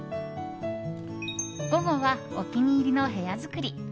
午後は、お気に入りの部屋作り。